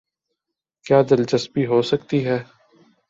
کیا دلچسپی ہوسکتی ہے۔